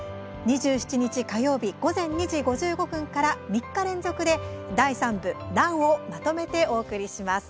２７日、火曜日午前２時５５分から３日連続で第三部「乱」をまとめてお送りします。